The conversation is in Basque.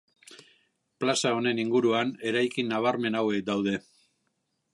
Plaza honen inguruan eraikin nabarmen hauek daude.